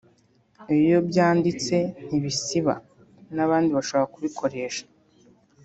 iyo byanditse ntibisiba n’abandi bashobora kubikoresha